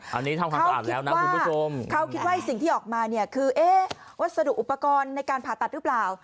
เขาคิดว่าสิ่งที่ออกมาคือวัสดุอุปกรณ์ในการผ่าตัดหรือเปล่า